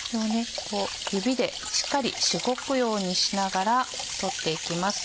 こう指でしっかりしごくようにしながら取っていきます。